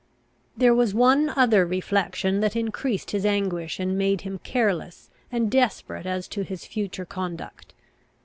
There was one other reflection that increased his anguish, and made him careless and desperate as to his future conduct.